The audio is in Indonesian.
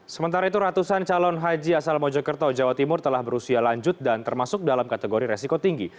sementara itu ratusan calon haji asal mojokerto jawa timur telah berusia lanjut dan termasuk dalam kategori resiko tinggi